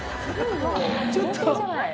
「ちょっと」